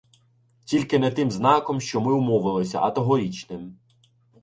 Тільки не тим знаком, що ми умовилися, а тогорічним.